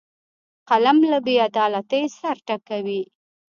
قلم له بیعدالتۍ سر ټکوي